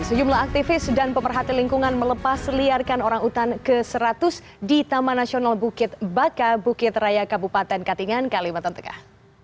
sejumlah aktivis dan pemerhati lingkungan melepas liarkan orang utan ke seratus di taman nasional bukit baka bukit raya kabupaten katingan kalimantan tengah